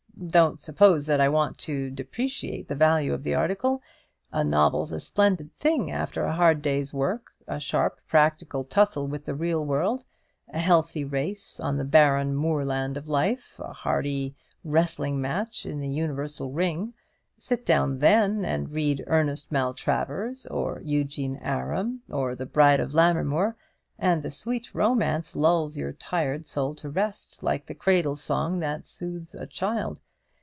Don't suppose that I want to depreciate the value of the article. A novel's a splendid thing after a hard day's work, a sharp practical tussle with the real world, a healthy race on the barren moorland of life, a hearty wrestling match in the universal ring. Sit down then and read 'Ernest Maltravers,' or 'Eugene Aram,' or the 'Bride of Lammermoor,' and the sweet romance lulls your tired soul to rest, like the cradle song that soothes a child.